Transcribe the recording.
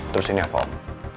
terus ini apa om